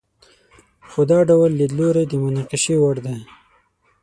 خو دا ډول لیدلوری د مناقشې وړ دی.